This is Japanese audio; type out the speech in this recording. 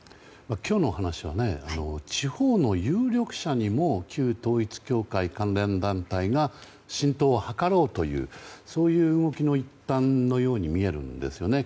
今日の話は地方の有力者にも旧統一教会関連団体が浸透を図ろうというそういう動きの一端のように見えるんですよね。